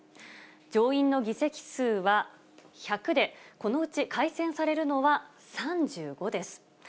上院の議席数は１００で、このうち改選されるのは３５です。